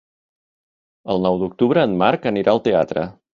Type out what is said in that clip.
El nou d'octubre en Marc anirà al teatre.